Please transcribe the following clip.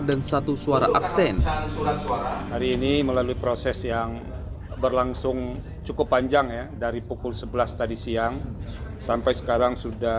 dan satu suara abstain